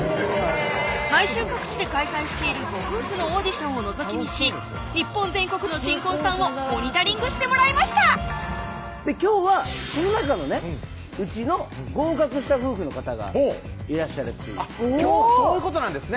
毎週各地で開催しているご夫婦のオーディションをのぞき見し日本全国の新婚さんをモニタリングしてもらいました今日はその中のうちの合格した夫婦の方がいらっしゃるっていう今日はそういうことなんですね